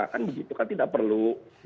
kan begitu kan tidak perlu